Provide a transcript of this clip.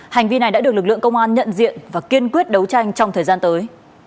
hành vi này đã được lực lượng công an nhận diện và kiên quyết đấu tranh trong thời gian tới